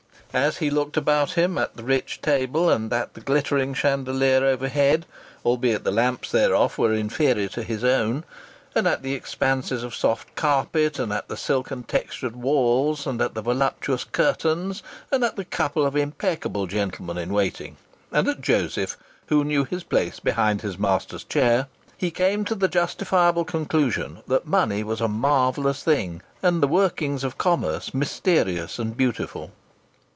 As he looked about him, at the rich table, and at the glittering chandelier overhead (albeit the lamps thereof were inferior to his own), and at the expanses of soft carpet, and at the silken textured walls, and at the voluptuous curtains, and at the couple of impeccable gentlemen in waiting, and at Joseph, who knew his place behind his master's chair he came to the justifiable conclusion that money was a marvellous thing, and the workings of commerce mysterious and beautiful.